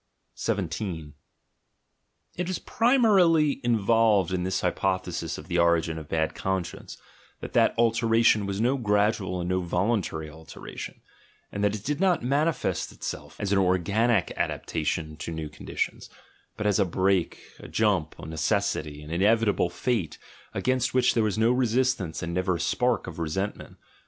17 It is primarily involved in this hypothesis of the origin of the bad conscience, that that alteration was no gradual and no voluntary alteration, and that it did not manifest itself as an organic adaptation to new conditions, but as a break, a jump, a necessity, an inevitable fate, against which there was no resistance and never a spark of re sentment.